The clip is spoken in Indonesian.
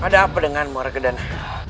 ada apa denganmu harga dana